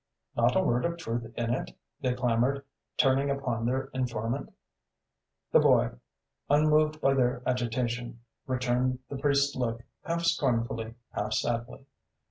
"Not a word of truth in it?" they clamored, turning upon their informant. The boy, unmoved by their agitation, returned the priest's look half scornfully, half sadly.